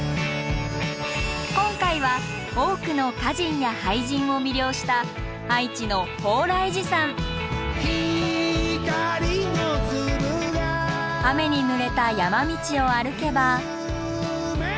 今回は多くの歌人や俳人を魅了した愛知の雨にぬれた山道を歩けば。